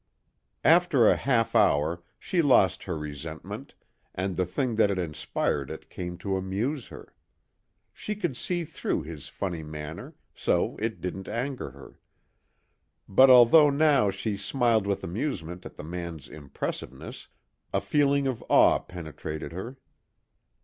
After a half hour she lost her resentment and the thing that had inspired it came to amuse her. She could see through his funny manner so it didn't anger her. But although now she smiled with amusement at the man's impressiveness, a feeling of awe penetrated her.